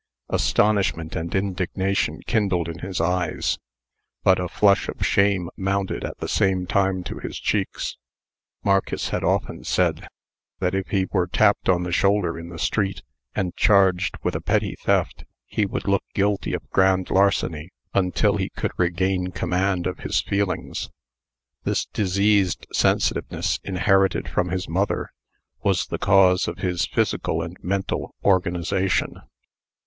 Astonishment and indignation kindled in his eyes; but a flush of shame mounted at the same time to his cheeks. Marcus had often said, that if he were tapped on the shoulder in the street, and charged with a petty theft, he would look guilty of grand larceny until he could regain command of his feelings. This diseased sensitiveness, inherited from his mother, was the curse of his physical and mental organization.